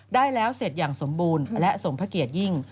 ได้แล้วเสร็จอย่างสมบูรณ์และสมพระเกียรติยิ่ง